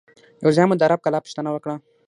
یو ځای مو د عرب کلا پوښتنه وکړه.